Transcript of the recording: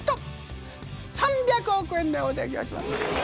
３００億円でご提供します。